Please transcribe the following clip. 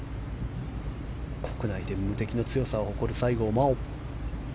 国内で無敵の強さを誇る西郷真央。